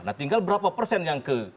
nah tinggal berapa persen yang ke